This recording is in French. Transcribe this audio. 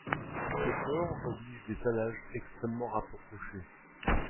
Ces pores obligent des salages extrêmement rapprochés.